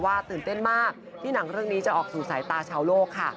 ตื่นเต้นมากที่หนังเรื่องนี้จะออกสู่สายตาชาวโลกค่ะ